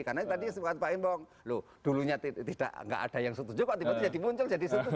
karena tadi sempat pak gembong loh dulunya tidak ada yang setuju kok tiba tiba jadi muncul jadi setuju